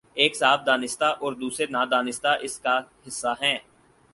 ایک صاحب دانستہ اور دوسرے نادانستہ اس کا حصہ ہیں۔